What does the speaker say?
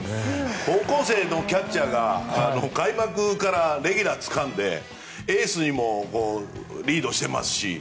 高校生のキャッチャーが開幕からレギュラーをつかんでエースにもリードしてますし。